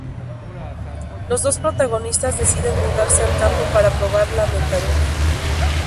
Los dos protagonistas deciden mudarse al campo para "probar la metadona".